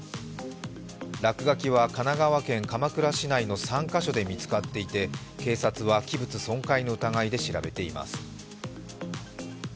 落書きは神奈川県鎌倉市内の３か所で見つかっていて警察は器物損壊の疑いで調べています。